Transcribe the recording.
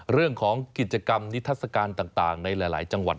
เรื่องของกิจกรรมนิทัศกาลต่างในหลายจังหวัด